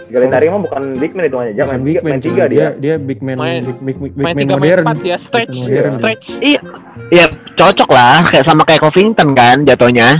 galinari emang bukan big man itu aja main tiga dia main tiga main empat dia stretch iya cocok lah sama kayak covington kan jatohnya